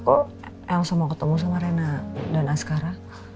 kok elsa mau ketemu sama rena dan askara